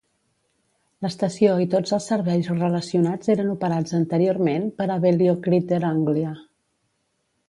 L'estació i tots els serveis relacionats eren operats anteriorment per Abellio Greater Anglia.